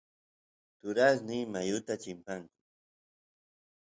turasniy mayuta chimpanku